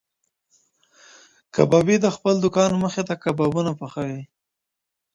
کبابي د خپل دوکان مخې ته کبابونه پخوي.